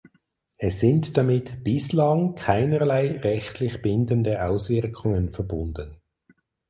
Es sind damit bislang keinerlei rechtlich bindende Auswirkungen verbunden.